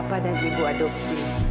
bapak dan ibu adopsi